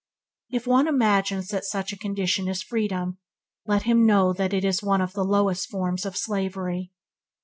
If one imagines that such a condition is freedom, let him know that it is one of the lowest forms of slavery.